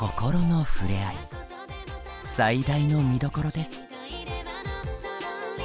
最大の見どころです。